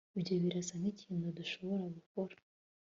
ibyo birasa nkikintu dushobora gukora